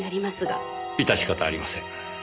致し方ありません。